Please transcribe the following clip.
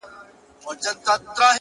د ښار په جوارگرو باندي واوښتلې گراني ـ